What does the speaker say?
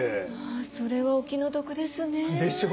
それはお気の毒ですね。でしょう？